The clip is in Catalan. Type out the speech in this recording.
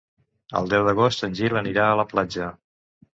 El deu d'agost en Gil anirà a la platja.